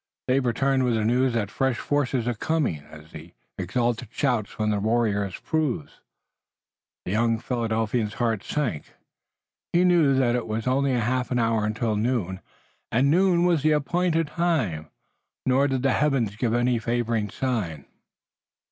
They've returned with the news that fresh forces are coming, as the exultant shout from the warriors proves." The young Philadelphian's heart sank. He knew that it was only a half hour until noon, and noon was the appointed time. Nor did the heavens give any favoring sign.